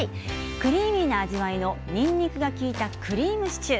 クリーミーな味わいのにんにくが利いたクリームシチュー。